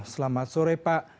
selamat sore pak